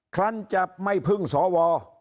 คลั้นจับไม่พึ่งสว